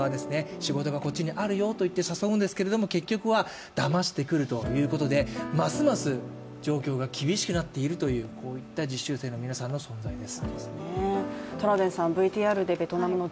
仕事がこっちにあるよと言って誘うんですけども、結局は、だましてくるということでますます状況が厳しくなっているという実習生の皆さんの存在です。